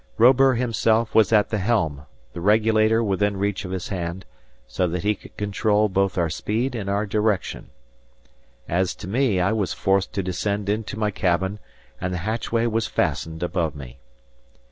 Robur himself was at the helm, the regulator within reach of his hand, so that he could control both our speed and our direction. As to me, I was forced to descend into my cabin, and the hatchway was fastened above me.